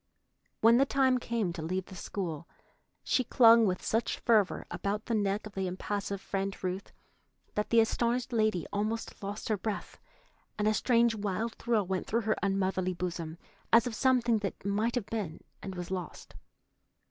When the time came to leave the school, she clung with such fervor about the neck of the impassive Friend Ruth that the astonished lady almost lost her breath, and a strange wild thrill went through her unmotherly bosom, as of something that might have been and was lost.